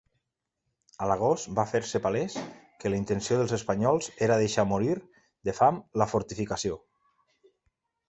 A l'agost, va fer-se palès que la intenció dels espanyols era deixar morir de fam la fortificació.